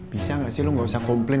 bisa gak sih lu gak usah komplain